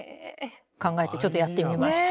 考えてちょっとやってみました。